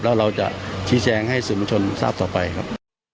แล้วเราจะชี้แจงให้สื่อมวลชนทราบต่อไปครับ